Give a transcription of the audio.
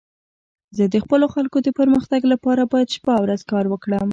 زه د خپلو خلکو د پرمختګ لپاره باید شپه او ورځ کار وکړم.